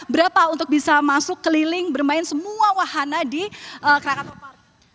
berapa untuk bisa masuk keliling bermain semua wahana di krakataumar